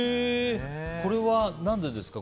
これは何でですか？